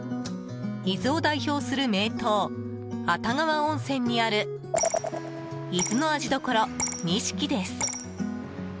伊豆を代表する名湯熱川温泉にある伊豆の味処錦です。